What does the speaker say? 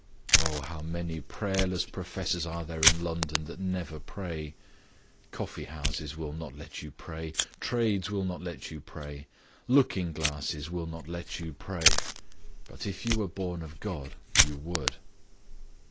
Oh! how many prayerless professors are there in London that never pray? Coffee houses will not let you pray, trades will not let you pray, looking glasses will not let you pray; but if you were born of God, you would.